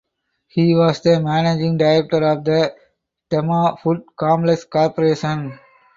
He was the managing director of the Tema food complex corporation.